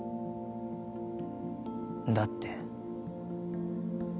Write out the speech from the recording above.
だって。